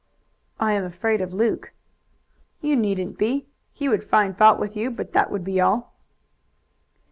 "I am afraid of Luke." "You needn't be. He would find fault with you, but that would be all."